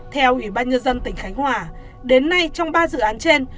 theo ủy ban nhân dân tỉnh khánh hòa đến nay trong ba dự án trên